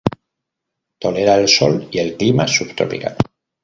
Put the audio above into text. Tolera el sol y el clima subtropical.